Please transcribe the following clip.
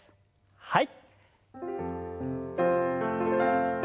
はい。